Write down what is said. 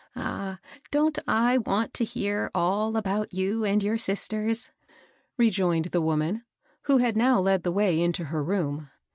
^^ Ah ! don't I want to hear all about you and your sisters ?" rejoined the woman, who had now led the way into her room.